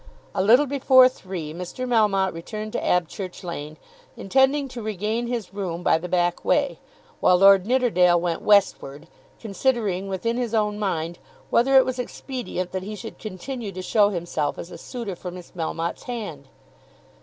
A little before three Mr. Melmotte returned to Abchurch Lane, intending to regain his room by the back way; while Lord Nidderdale went westward, considering within his own mind whether it was expedient that he should continue to show himself as a suitor for Miss Melmotte's hand.